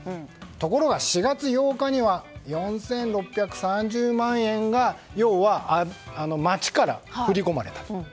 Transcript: ところが４月８日には４６３０万円が要は、町から振り込まれた。